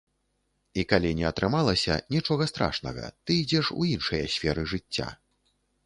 І калі не атрымалася, нічога страшнага, ты ідзеш у іншыя сферы жыцця.